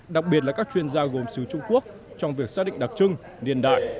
đặc biệt là các chuyên gia gồm sứ trung quốc trong việc xác định đặc trưng niên đại